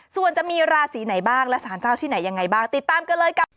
ส่วนจะมีราศีไหนบ้างและสารเจ้าที่ไหนยังไงบ้างติดตามกันเลยกับ